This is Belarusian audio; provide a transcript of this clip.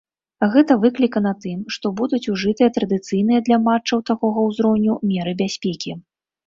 Гэта выклікана тым, што будуць ужытыя традыцыйныя для матчаў такога ўзроўню меры бяспекі.